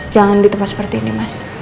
jangan di tempat seperti ini mas